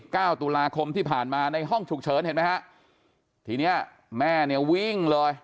เก้าตุลาคมที่ผ่านมาในห้องฉุกเฉินเห็นไหมฮะทีเนี้ยแม่เนี่ยวิ่งเลย